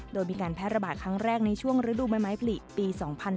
โดยมีการแพร่ระบาดครั้งแรกในช่วงฤดูไม้ผลิปี๒๔